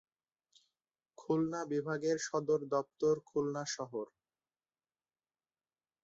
খুলনা বিভাগের সদর দপ্তর খুলনা শহর।